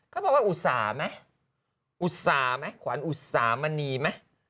ก็บอกว่าอุตสาห์ไหมอุตสาห์ไหมขวานอุตสาห์มะนีมั้ย